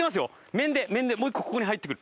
面で面でもう一個ここに入ってくる。